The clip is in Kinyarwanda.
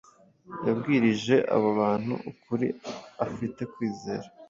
yabwirije abo bantu ukuri afite kwizera